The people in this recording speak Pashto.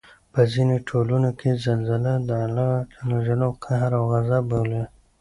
په ځینو ټولنو کې زلزله د الله ج قهر او غصب بولي